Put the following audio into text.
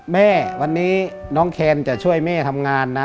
แม่วันนี้น้องแคนจะช่วยแม่ทำงานนะ